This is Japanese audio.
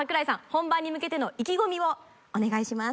本番に向けての意気込みをお願いします。